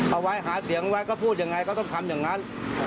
เอาไว้หาเสียงไว้ก็พูดยังไงก็ต้องทำอย่างนั้น